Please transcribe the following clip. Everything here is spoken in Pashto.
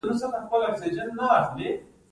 افغانان ولې مهربان دي؟